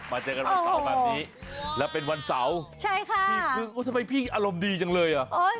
มาเจอกันวันเก่าแบบนี้และเป็นวันเสาร์ใช่ค่ะทำไมพี่อารมณ์ดีจังเลย